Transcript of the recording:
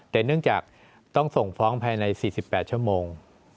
แต่เนื่องจากต้องส่งฟ้องภายใน๔๘ชั่วโมง